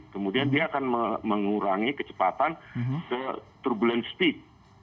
kemudian dia akan mengurangi kecepatan ke turbulence speed